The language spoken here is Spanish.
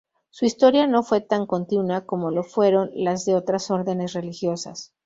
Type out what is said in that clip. Su historia no fue tan continua como lo fueran las de otras órdenes religiosas.